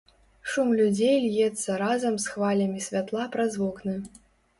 Шум людзей льецца разам з хвалямі святла праз вокны.